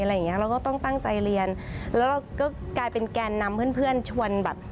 เราก็ต้องตั้งใจเรียนแล้วก็กลายเป็นแกนนำเพื่อนเพื่อนชวนแบบ